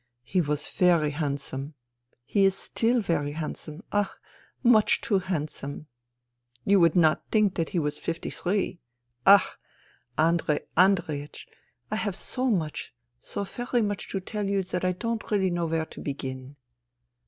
He was very hand some. He is still very handsome, ach ! much too THE THREE SISTERS 27 handsome. You would not think that he was fifty three. ... Ach I Andrei Andreiech, I have so much, so very much to tell you that I don't really know where to begin.